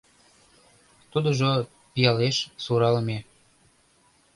Тудыжо, пиалеш, суралыме.